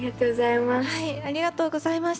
ありがとうございます。